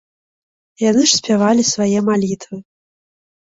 Яны ж спявалі свае малітвы.